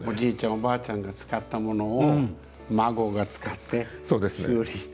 おばあちゃんが使ったものを孫が使って修理して。